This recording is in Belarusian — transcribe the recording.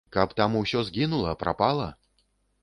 Каб там усё згінула, прапала?